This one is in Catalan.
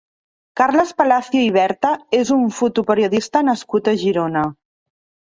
Carles Palacio i Berta és un fotoperiodista nascut a Girona.